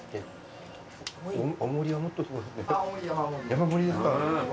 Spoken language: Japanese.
山盛りですか？